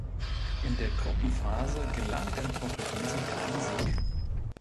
In der Gruppenphase gelang den Portugiesen kein Sieg.